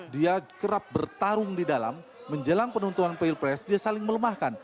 dia kerap bertarung di dalam menjelang penuntunan peil press dia saling melemahkan